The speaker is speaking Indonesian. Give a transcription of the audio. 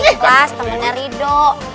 ikhlas temennya rido